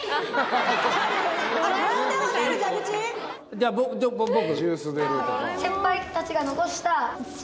じゃあ僕。